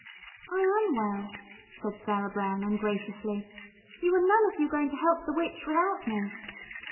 "I am well," said Sarah Brown ungraciously. "You are none of you going to help the witch without me."